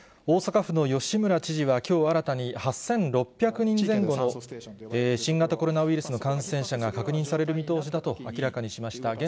大阪府の吉村知事は、きょう新たに、８６００人前後の新型コロナウイルスの感染者が確認される見通しだと明らかにしました。